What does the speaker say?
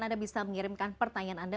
anda bisa mengirimkan pertanyaan anda